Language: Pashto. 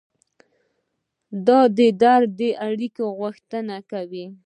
دا درد د اړیکې غوښتنه کوي.